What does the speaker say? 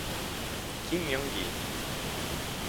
Kim Myong-gil